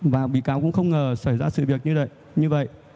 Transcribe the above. và bị cáo cũng không ngờ xảy ra sự việc như vậy